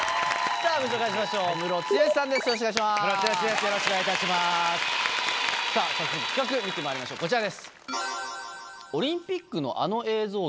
さぁ早速企画見てまいりましょうこちらです。